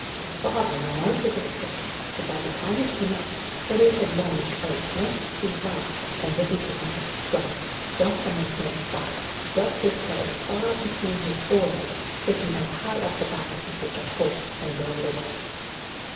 His father ran out with a stick, but by the time he came up, Karait had lunged out once too far, and Rikki tikki had sprung, jumped on the snake's back, dropped his head far between his fore legs, bitten as high up the back as he could get hold, and rolled away.